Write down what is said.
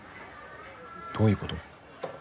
どういうこと？